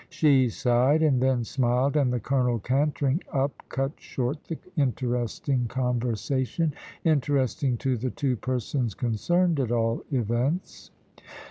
She sighed, and then smiled, and the colonel cantering up cut short the interesting conversation interesting to the two persons concerned, at all events.